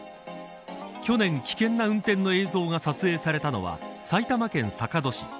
去年、危険な運転の映像が撮影されたのは埼玉県坂戸市。